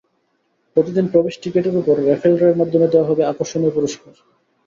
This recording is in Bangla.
প্রতিদিন প্রবেশ টিকেটের ওপর র্যাফেল ড্রয়ের মাধ্যমে দেওয়া হবে আকর্ষণীয় পুরস্কার।